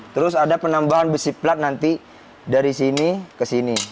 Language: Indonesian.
terus ada penambahan besi plat nanti dari sini ke sini